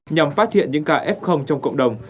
nhằm phát hiện những ca f trong cộng đồng